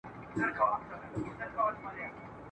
چي د مرګ دام ته لوېدلې وه بېځایه !.